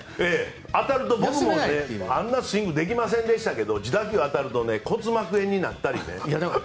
僕もあんなスイングできませんでしたけど自打球が当たると骨膜炎になったり。